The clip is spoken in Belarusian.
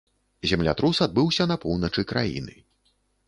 Землятрус адбыўся на поўначы краіны.